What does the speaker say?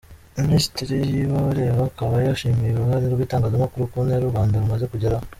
Minisitiri Kabareba akaba yashimye uruhare rw’itangazamakuru ku ntera u Rwanda rumaze kugeraho.